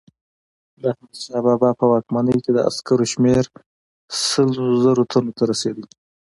د احمدشاه بابا په واکمنۍ کې د عسکرو شمیر سل زره تنو ته رسېده.